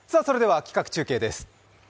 それでは企画中継です。